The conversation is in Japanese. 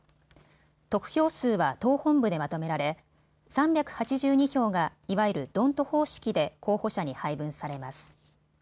得票数は党本部でまとめられ３８２票がいわゆるドント方式で候補者に配分されます。